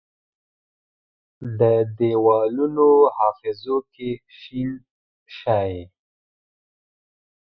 د دیوالونو حافظو کې شین شي،